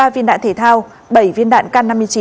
hai mươi ba viên đạn thể thao bảy viên đạn k năm mươi chín